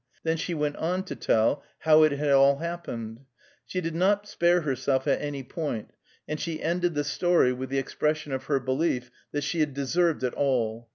Then she went on to tell how it had all happened. She did not spare herself at any point, and she ended the story with the expression of her belief that she had deserved it all.